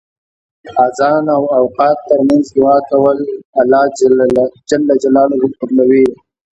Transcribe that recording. اذان او اقامت تر منځ دعا کول الله ج قبلوی .